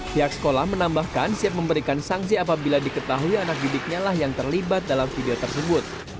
pihak sekolah menambahkan siap memberikan sanksi apabila diketahui anak didiknya lah yang terlibat dalam video tersebut